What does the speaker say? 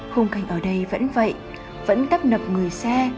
khung cảnh ở đây vẫn vậy vẫn tấp nập người xe